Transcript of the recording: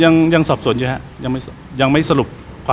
อยาการสอบสวนหรือว่าเสร็จสุดมียังหรือ